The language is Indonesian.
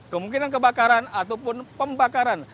kemungkinan kebakaran ataupun pembakaran